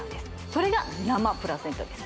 それが生プラセンタです